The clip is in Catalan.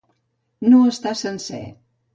No estar sencer.